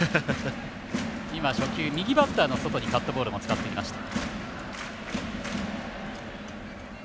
初球、右バッターの外にカットボールも使っていきました。